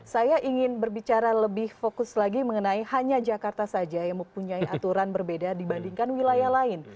saya ingin berbicara lebih fokus lagi mengenai hanya jakarta saja yang mempunyai aturan berbeda dibandingkan wilayah lain